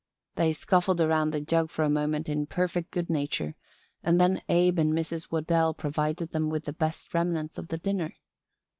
They scuffled around the jug for a moment in perfect good nature and then Abe and Mrs. Waddell provided them with the best remnants of the dinner.